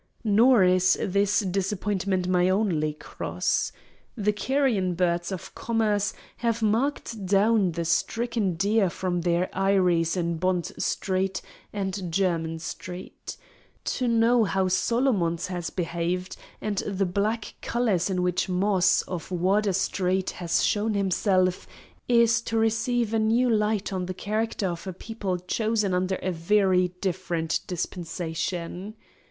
Nor is this disappointment my only cross. The carrion birds of commerce have marked down the stricken deer from their eyries in Bond Street and Jermyn Street. To know how Solomons has behaved, and the black colours in which Moss (of Wardour Street) has shown himself, is to receive a new light on the character of a People chosen under a very different Dispensation!